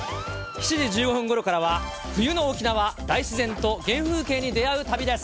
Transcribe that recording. ７時１５分ごろからは、冬の沖縄、大自然と原風景に出会う旅です。